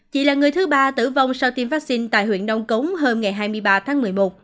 chị là người thứ ba tử vong sau tiêm vaccine tại huyện nông cống hôm hai mươi ba tháng một mươi một